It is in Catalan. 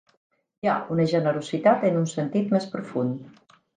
Hi ha una generositat en un sentit més profund